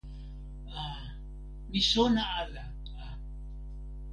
a. mi sona ala a.